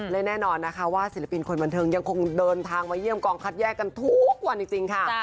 และแน่นอนนะคะว่าศิลปินคนบันเทิงยังคงเดินทางมาเยี่ยมกองคัดแยกกันทุกวันจริงค่ะ